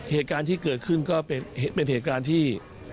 เหตุการณ์ที่เกิดขึ้นก็เป็นเหตุการณ์ที่